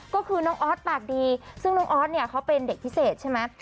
ก็คือน้องออสปากดีซึ่งน้องออสเนี่ยเขาเป็นเด็กพิเศษใช่ไหม